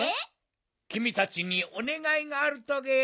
きみたちにおねがいがあるトゲ。